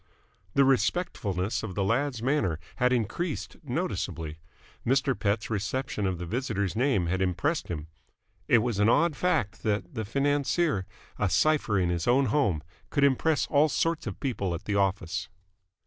The respectfulness of the lad's manner had increased noticeably. Mr. Pett's reception of the visitor's name had impressed him. It was an odd fact that the financier, a cipher in his own home, could impress all sorts of people at the office.